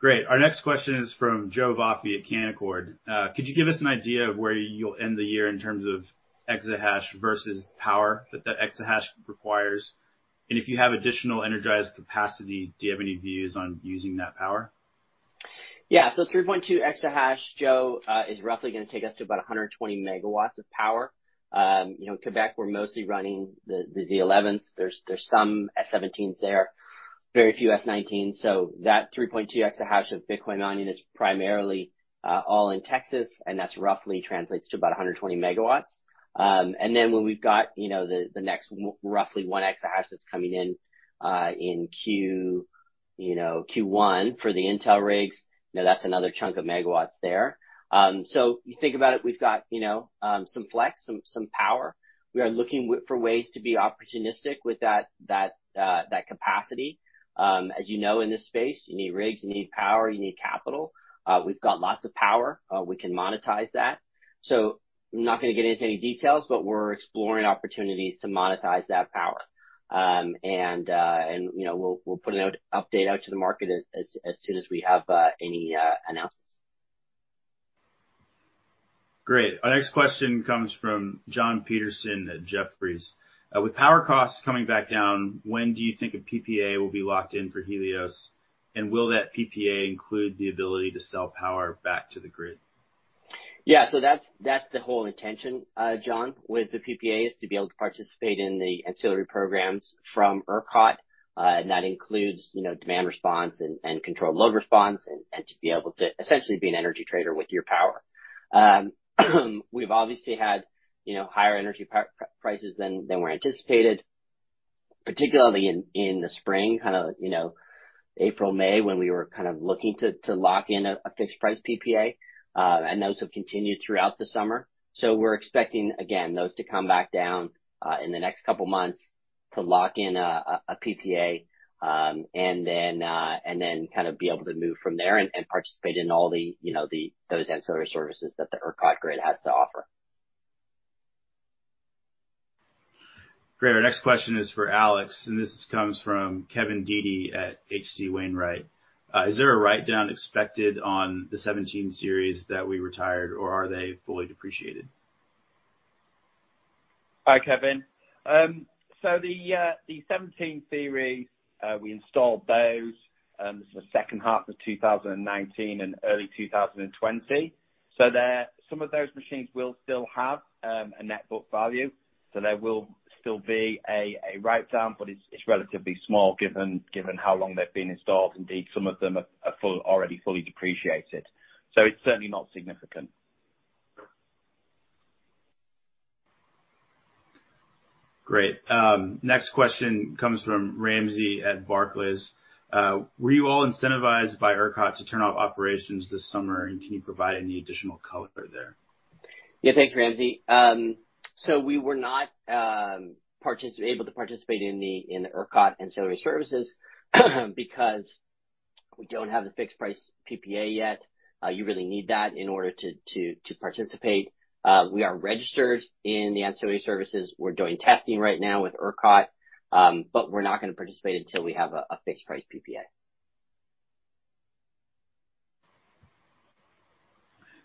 Great. Our next question is from Joe Vafi at Canaccord. Could you give us an idea of where you'll end the year in terms of exahash versus power that exahash requires? And if you have additional energized capacity, do you have any views on using that power? Yeah. Three point two exahash, Joe, is roughly gonna take us to about 120 megawatts of power. You know, in Quebec, we're mostly running the Z11s. There's some S17s there, very few S19s. That 3.2 exahash of Bitcoin mining is primarily all in Texas, and that roughly translates to about 120 megawatts. When we've got, you know, the next roughly 1 exahash that's coming in, you know, in Q1 for the Intel rigs, you know, that's another chunk of megawatts there. You think about it, we've got, you know, some flex, some power. We are looking for ways to be opportunistic with that capacity. As you know, in this space, you need rigs, you need power, you need capital. We've got lots of power. We can monetize that. I'm not gonna get into any details, but we're exploring opportunities to monetize that power. You know, we'll put an update out to the market as soon as we have any announcements. Great. Our next question comes from Jonathan Petersen at Jefferies. With power costs coming back down, when do you think a PPA will be locked in for Helios? And will that PPA include the ability to sell power back to the grid? Yeah. That's the whole intention, John, with the PPA, is to be able to participate in the ancillary programs from ERCOT, and that includes, you know, demand response and Controllable Load Resource and to be able to essentially be an energy trader with your power. We've obviously had, you know, higher energy prices than were anticipated. Particularly in the spring, April, May, when we were looking to lock in a fixed price PPA, and those have continued throughout the summer. We're expecting, again, those to come back down in the next couple months to lock in a PPA, and then kind of be able to move from there and participate in all the, you know, those ancillary services that the ERCOT grid has to offer. Great. Our next question is for Alex, and this comes from Kevin Deeley at H.C. Wainwright. Is there a write-down expected on the 17 series that we retired, or are they fully depreciated? Hi, Kevin. The 17 series, we installed those, sort of second half of 2019 and early 2020. They're some of those machines will still have a net book value, so there will still be a write-down, but it's relatively small given how long they've been installed. Indeed, some of them are already fully depreciated. It's certainly not significant. Great. Next question comes from Ramsey at Barclays. Were you all incentivized by ERCOT to turn off operations this summer, and can you provide any additional color there? Yeah. Thanks, Ramsey. We were not able to participate in the ERCOT ancillary services, because we don't have the fixed price PPA yet. You really need that in order to participate. We are registered in the ancillary services. We're doing testing right now with ERCOT, but we're not gonna participate until we have a fixed price PPA.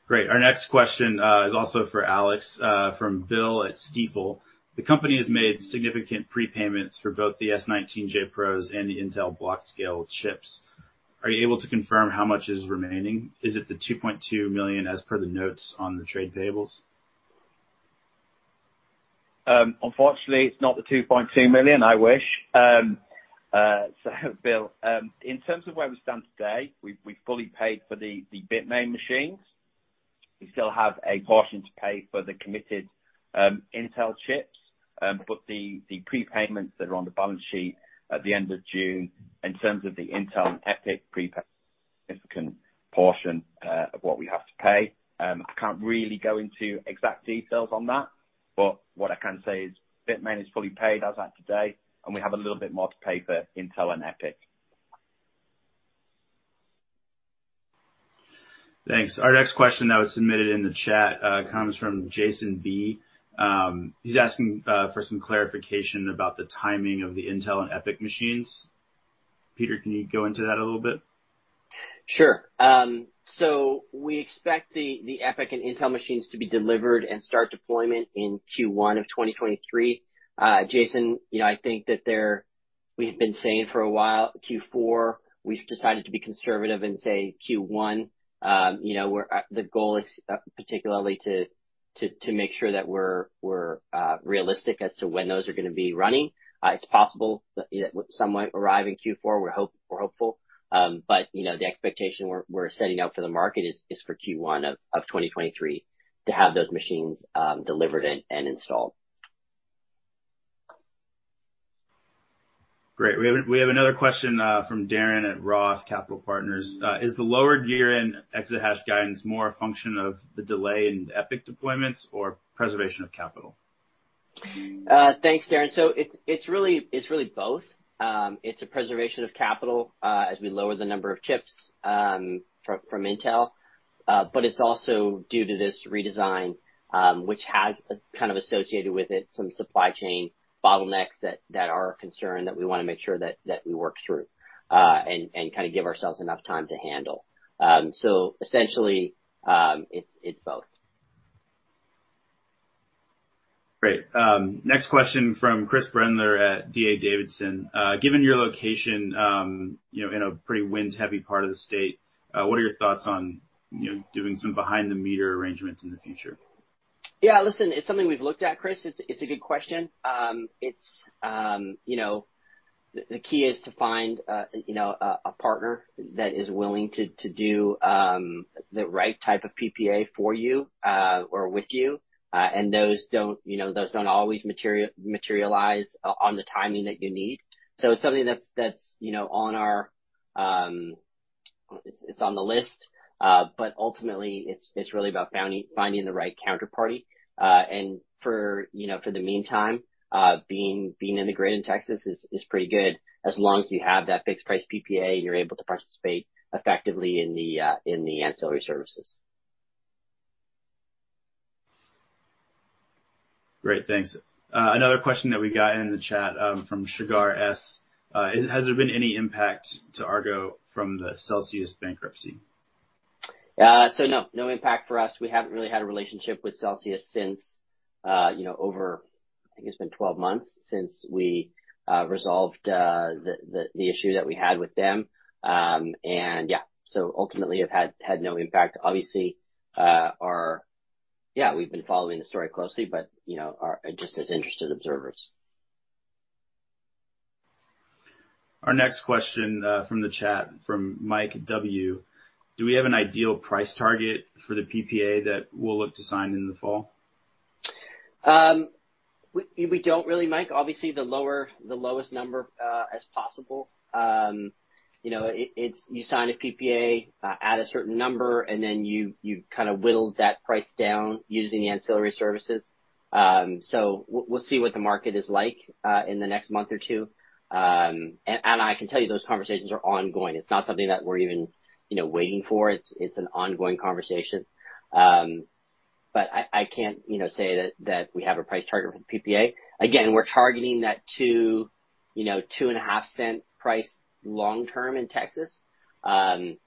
Great. Our next question is also for Alex from Bill at Stifel. The company has made significant prepayments for both the S19J Pros and the Intel Blockscale chips. Are you able to confirm how much is remaining? Is it the 2.2 million as per the notes on the trade payables? Unfortunately, it's not the 2.2 million. I wish. Bill, in terms of where we stand today, we've fully paid for the Bitmain machines. We still have a portion to pay for the committed Intel chips. But the prepayments that are on the balance sheet at the end of June in terms of the Intel and ePIC prepay, significant portion of what we have to pay. I can't really go into exact details on that, but what I can say is Bitmain is fully paid as at today, and we have a little bit more to pay for Intel and ePIC. Thanks. Our next question that was submitted in the chat comes from Jason B. He's asking for some clarification about the timing of the Intel and ePIC machines. Peter, can you go into that a little bit? Sure. We expect the ePIC and Intel machines to be delivered and start deployment in Q1 of 2023. Jason B, you know, I think that they are. We have been saying for a while Q4. We have decided to be conservative and say Q1. You know, the goal is particularly to make sure that we are realistic as to when those are gonna be running. It is possible that, you know, some might arrive in Q4. We are hopeful. You know, the expectation we are setting out for the market is for Q1 of 2023 to have those machines delivered and installed. Great. We have another question from Darren at Roth Capital Partners. Is the lower year-end exit hash guidance more a function of the delay in ePIC deployments or preservation of capital? Thanks, Darren. It's really both. It's a preservation of capital as we lower the number of chips from Intel. But it's also due to this redesign, which has kind of associated with it some supply chain bottlenecks that are a concern that we wanna make sure that we work through and kind of give ourselves enough time to handle. Essentially, it's both. Great. Next question from Chris Brendler at D.A. Davidson. Given your location, you know, in a pretty wind-heavy part of the state, what are your thoughts on, you know, doing some behind the meter arrangements in the future? Yeah. Listen, it's something we've looked at, Chris. It's a good question. You know, the key is to find a partner that is willing to do the right type of PPA for you or with you. Those don't always materialize on the timing that you need. It's something that's on our list. Ultimately it's really about finding the right counterparty. For the meantime, being integrated in Texas is pretty good. As long as you have that fixed price PPA, you're able to participate effectively in the ancillary services. Great. Thanks. Another question that we got in the chat, from Chirag S. Has there been any impact to Argo from the Celsius bankruptcy? No. No impact for us. We haven't really had a relationship with Celsius since, you know, over, I think it's been 12 months since we resolved the issue that we had with them. Yeah, ultimately have had no impact. Obviously, yeah, we've been following the story closely but, you know, are just as interested observers. Our next question, from the chat from Mike W. Do we have an ideal price target for the PPA that we'll look to sign in the fall? We don't really, Mike. Obviously, the lowest number as possible. You know, it's you sign a PPA at a certain number, and then you kind of whittle that price down using the ancillary services. We'll see what the market is like in the next month or two. I can tell you those conversations are ongoing. It's not something that we're even, you know, waiting for. It's an ongoing conversation. I can't, you know, say that we have a price target for the PPA. Again, we're targeting that to, you know, 2.5-cent price long-term in Texas. That's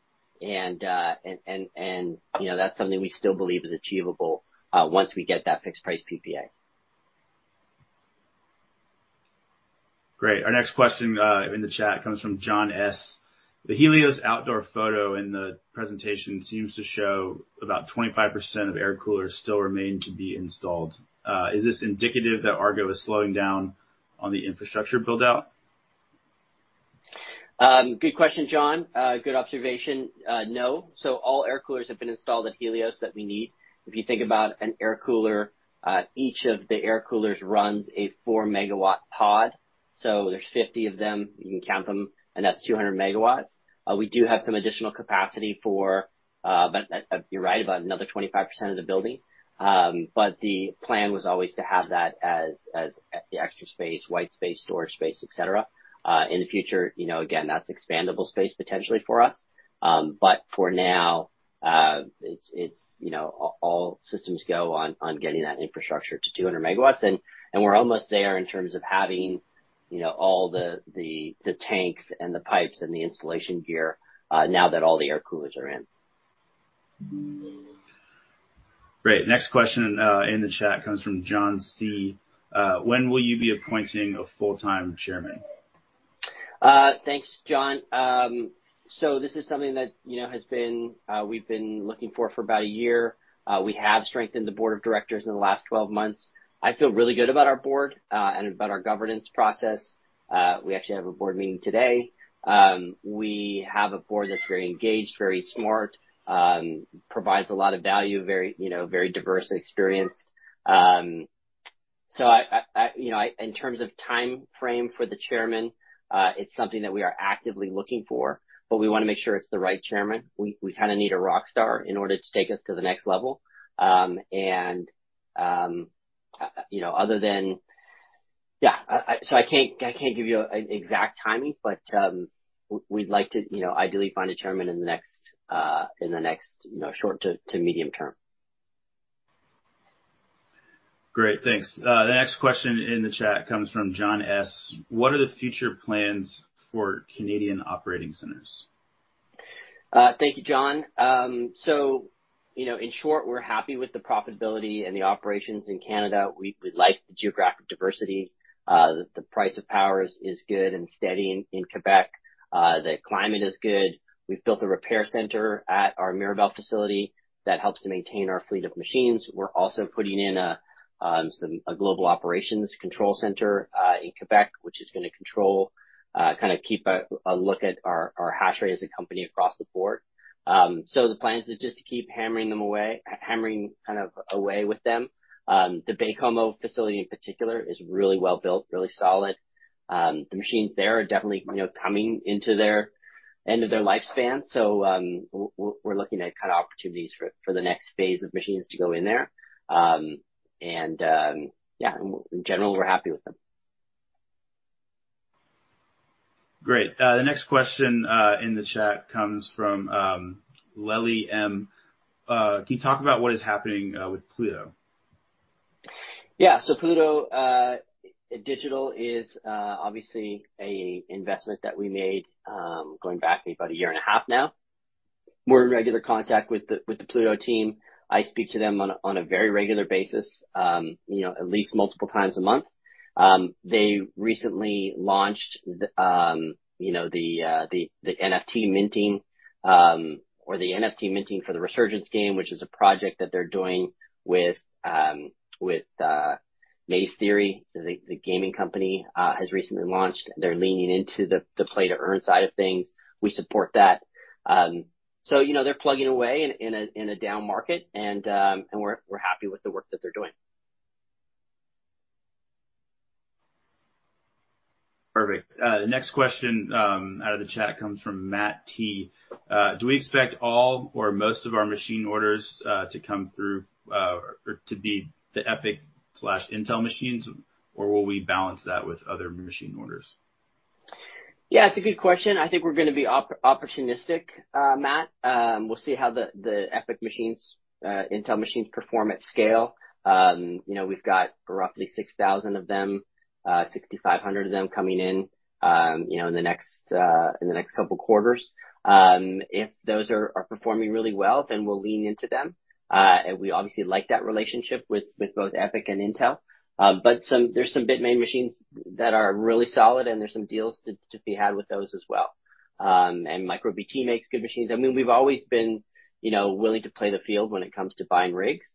something we still believe is achievable once we get that fixed price PPA. Great. Our next question in the chat comes from John S. The Helios outdoor photo in the presentation seems to show about 25% of air coolers still remain to be installed. Is this indicative that Argo is slowing down on the infrastructure build-out? Good question, John. Good observation. No. All air coolers have been installed at Helios that we need. If you think about an air cooler, each of the air coolers runs a 4-megawatt pod. There's 50 of them, you can count them, and that's 200 megawatts. We do have some additional capacity, but you're right, about another 25% of the building. The plan was always to have that as the extra space, white space, storage space, et cetera. In the future, you know, again, that's expandable space potentially for us. For now, it's, you know, all systems go on getting that infrastructure to 200 megawatts. We're almost there in terms of having, you know, all the tanks and the pipes and the installation gear, now that all the air coolers are in. Great. Next question, in the chat comes from John C. When will you be appointing a full-time chairman? Thanks, John. This is something that, you know, we've been looking for for about a year. We have strengthened the board of directors in the last 12 months. I feel really good about our board, and about our governance process. We actually have a board meeting today. We have a board that's very engaged, very smart, provides a lot of value, very, you know, very diverse and experienced. I you know, in terms of timeframe for the chairman, it's something that we are actively looking for, but we wanna make sure it's the right chairman. We kinda need a rock star in order to take us to the next level. You know, other than. Yeah, I can't give you an exact timing, but we'd like to, you know, ideally find a chairman in the next, you know, short to medium term. Great. Thanks. The next question in the chat comes from John S. What are the future plans for Canadian operating centers? Thank you, John. You know, in short, we're happy with the profitability and the operations in Canada. We like the geographic diversity. The price of power is good and steady in Quebec. The climate is good. We've built a repair center at our Mirabel facility that helps to maintain our fleet of machines. We're also putting in a global operations control center in Quebec, which is gonna control, kinda keep a look at our hash rate as a company across the board. The plan is just to keep hammering kind of away with them. The Baie-Comeau facility in particular is really well-built, really solid. The machines there are definitely, you know, coming into their end of their lifespan. We're looking at kinda opportunities for the next phase of machines to go in there. Yeah, in general, we're happy with them. Great. The next question in the chat comes from Lely M. Can you talk about what is happening with Pluto? Pluto Digital is obviously a investment that we made going back maybe about a year and a half now. We're in regular contact with the Pluto team. I speak to them on a very regular basis, you know, at least multiple times a month. They recently launched the NFT minting for the Resurgence game, which is a project that they're doing with Maze Theory, the gaming company, has recently launched. They're leaning into the play-to-earn side of things. We support that. You know, they're plugging away in a down market, and we're happy with the work that they're doing. Perfect. The next question out of the chat comes from Matt T. Do we expect all or most of our machine orders to come through, or to be the ePIC/Intel machines, or will we balance that with other machine orders? Yeah, it's a good question. I think we're gonna be opportunistic, Matt. We'll see how the ePIC machines, Intel machines perform at scale. You know, we've got roughly 6,000 of them, 6,500 of them coming in, you know, in the next couple quarters. If those are performing really well, then we'll lean into them. We obviously like that relationship with both ePIC and Intel. But there's some Bitmain machines that are really solid, and there's some deals to be had with those as well. And MicroBT makes good machines. I mean, we've always been, you know, willing to play the field when it comes to buying rigs.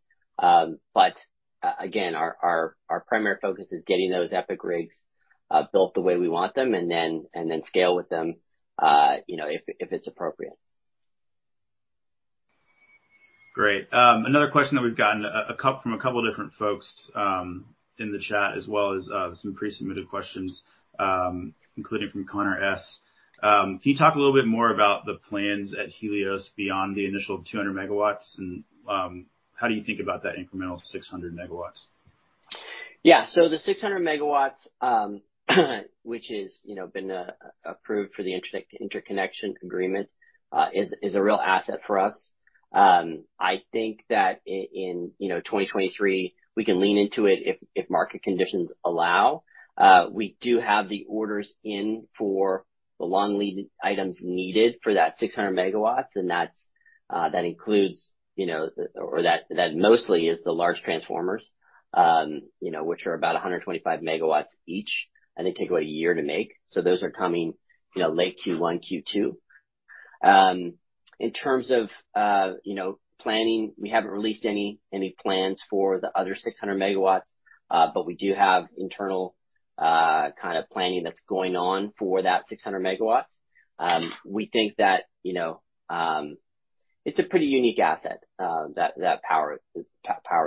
Again, our primary focus is getting those ePIC rigs built the way we want them, and then scale with them, you know, if it's appropriate. Great. Another question that we've gotten a couple from a couple different folks in the chat, as well as some pre-submitted questions, including from Connor S. Can you talk a little bit more about the plans at Helios beyond the initial 200 MW and how do you think about that incremental 600 MW? The 600 MW, which has been, you know, approved for the interconnection agreement, is a real asset for us. I think that in 2023, we can lean into it if market conditions allow. We do have the orders in for the long lead items needed for that 600 MW, and that includes, you know, or that mostly is the large transformers, which are about 125 MW each, and they take about a year to make. Those are coming, you know, late Q1, Q2. In terms of planning, we haven't released any plans for the other 600 MW, but we do have internal kind of planning that's going on for that 600 MW. We think that, you know, it's a pretty unique asset, that power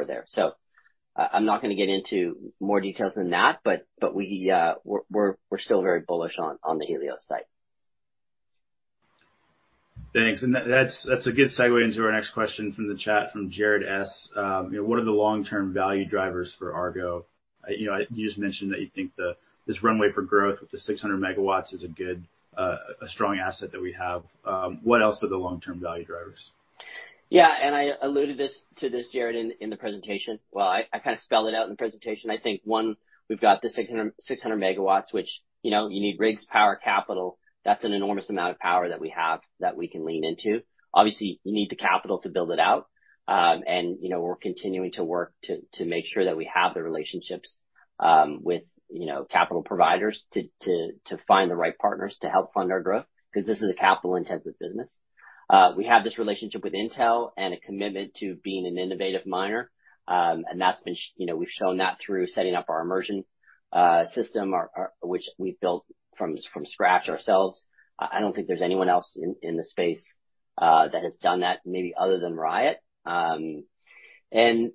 there. I'm not gonna get into more details than that, but we're still very bullish on the Helios site. Thanks. That's a good segue into our next question from the chat from Jared S. You know, what are the long-term value drivers for Argo? You know, you just mentioned that you think this runway for growth with the 600 MW is a good, a strong asset that we have. What else are the long-term value drivers? Yeah. I alluded to this, Jared, in the presentation. Well, I kinda spelled it out in the presentation. I think, one, we've got the 600 megawatts, which, you know, you need rigs, power, capital. That's an enormous amount of power that we have that we can lean into. Obviously, you need the capital to build it out. You know, we're continuing to work to make sure that we have the relationships with, you know, capital providers to find the right partners to help fund our growth, 'cause this is a capital-intensive business. We have this relationship with Intel and a commitment to being an innovative miner, and that's been, you know, we've shown that through setting up our immersion system, which we've built from scratch ourselves. I don't think there's anyone else in the space that has done that, maybe other than Riot. You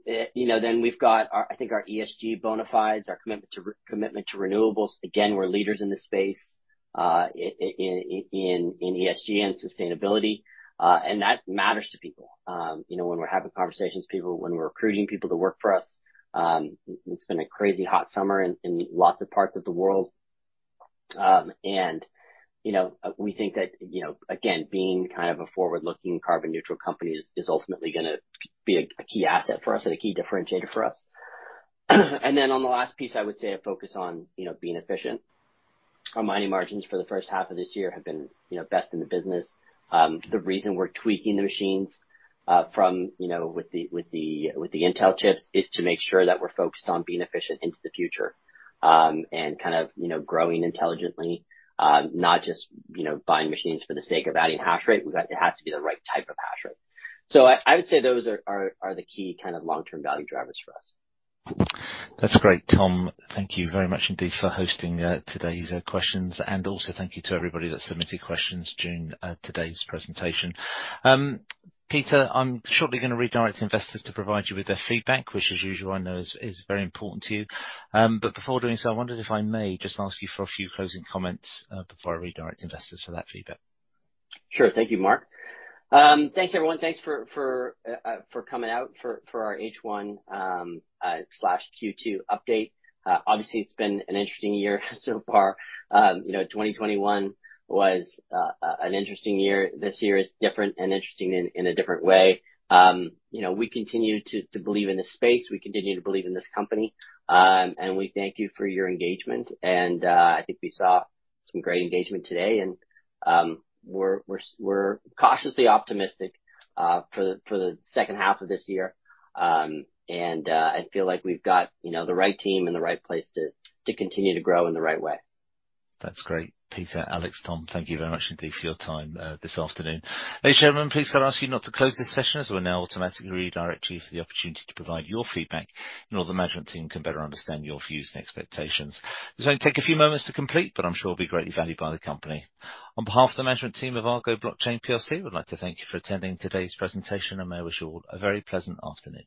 know, then we've got our, I think our ESG bonafides, our commitment to renewables. Again, we're leaders in this space in ESG and sustainability, and that matters to people. You know, when we're having conversations with people, when we're recruiting people to work for us, it's been a crazy hot summer in lots of parts of the world. You know, we think that, you know, again, being kind of a forward-looking carbon neutral company is ultimately gonna be a key asset for us and a key differentiator for us. Then on the last piece, I would say a focus on, you know, being efficient. Our mining margins for the first half of this year have been, you know, best in the business. The reason we're tweaking the machines with the Intel chips is to make sure that we're focused on being efficient into the future, and kind of, you know, growing intelligently, not just, you know, buying machines for the sake of adding hash rate. It has to be the right type of hash rate. I would say those are the key kind of long-term value drivers for us. That's great, Tom. Thank you very much indeed for hosting today's questions, and also thank you to everybody that submitted questions during today's presentation. Peter, I'm shortly gonna redirect investors to provide you with their feedback, which as usual I know is very important to you. Before doing so, I wondered if I may just ask you for a few closing comments before I redirect investors for that feedback. Sure. Thank you, Mark. Thanks, everyone. Thanks for coming out for our H1/Q2 update. Obviously, it's been an interesting year so far. You know, 2021 was an interesting year. This year is different and interesting in a different way. You know, we continue to believe in this space, we continue to believe in this company, and we thank you for your engagement. I think we saw some great engagement today, and we're cautiously optimistic for the second half of this year. I feel like we've got you know, the right team and the right place to continue to grow in the right way. That's great. Peter, Alex, Tom, thank you very much indeed for your time, this afternoon. Ladies, gentlemen, please can I ask you now to close this session as we'll now automatically redirect you for the opportunity to provide your feedback, and all the management team can better understand your views and expectations. This will only take a few moments to complete, but I'm sure it'll be greatly valued by the company. On behalf of the management team of Argo Blockchain PLC, we'd like to thank you for attending today's presentation, and may I wish you all a very pleasant afternoon.